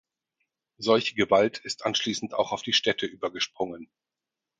Solche Gewalt ist anschließend auch auf die Städte übergesprungen.